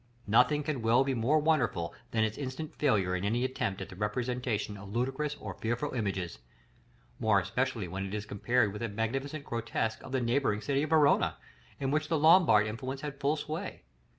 Nothing can well be more wonderful than its instant failure in any attempt at the representation of ludicrous or fearful images, more especially when it is compared with the magnificent grotesque of the neighboring city of Verona, in which the Lombard influence had full sway.